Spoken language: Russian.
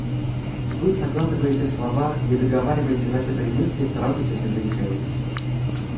Вы проглатываете слова, не договариваете начатой мысли, торопитесь и заикаетесь.